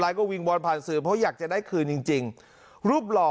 ก็วิงวอนผ่านสื่อเพราะอยากจะได้คืนจริงจริงรูปหล่อ